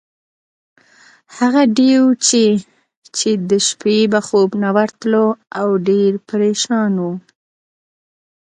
هغه ډوچي چې د شپې به خوب نه ورتلو، او ډېر پرېشان وو.